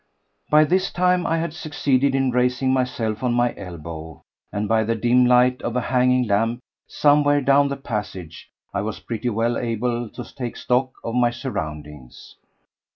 By this time I had succeeded in raising myself on my elbow, and, by the dim light of a hanging lamp somewhere down the passage, I was pretty well able to take stock of my surroundings.